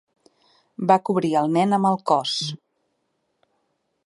Va cobrir el nen amb el cos.